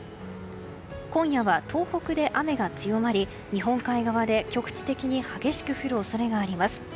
今夜は東北で雨が強まり日本海側で局地的に激しく降る恐れがあります。